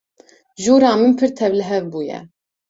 Jûra min pir tevlihev bûye.